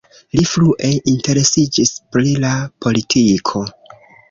Li frue interesiĝis pri la politiko.